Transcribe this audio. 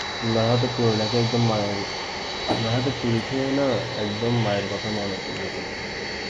আপনার হাতে পুরী খেয়ে না একদম মায়ের কথা মনে পড়ে যায়।